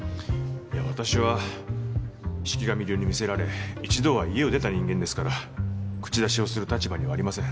いや私は四鬼神流に魅せられ一度は家を出た人間ですから口出しをする立場にはありません。